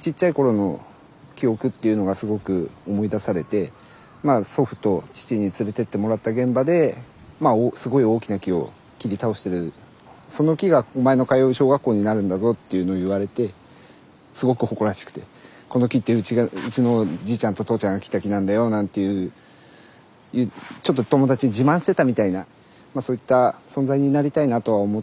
ちっちゃい頃の記憶っていうのがすごく思い出されて祖父と父に連れてってもらった現場ですごい大きな木を切り倒してる「その木がお前の通う小学校になるんだぞ」っていうのを言われてすごく誇らしくてこの木ってうちのじいちゃんと父ちゃんが切った木なんだよなんていうちょっと友達に自慢してたみたいなそういった存在になりたいなとは思って。